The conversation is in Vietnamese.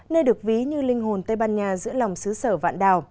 nơi được ví như linh hồn tây ban nha